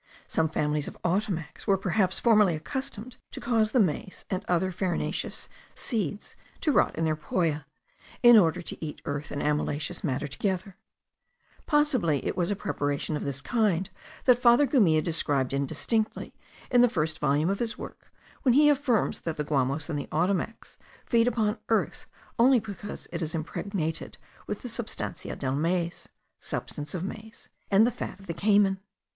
Some families of Ottomacs were perhaps formerly accustomed to cause the maize and other farinaceous seeds to rot in their poya, in order to eat earth and amylaceous matter together: possibly it was a preparation of this kind, that Father Gumilla described indistinctly in the first volume of his work when he affirms that the Guamos and the Ottomacs feed upon earth only because it is impregnated with the sustancia del maiz (substance of maize) and the fat of the cayman.